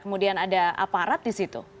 kemudian ada aparat di situ